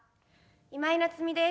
今井菜津美です。